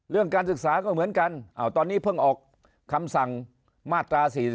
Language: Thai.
เรื่องการศึกษาก็เหมือนกันตอนนี้เพิ่งออกคำสั่งมาตรา๔๔